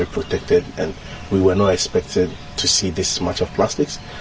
dan kami tidak mengharapkan melihat banyak plastik